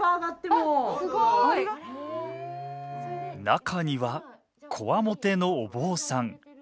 中にはこわもてのお坊さん。